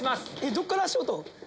どっから足音？